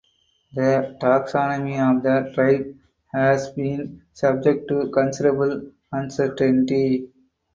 The taxonomy of the tribe has been subject to considerable uncertainty.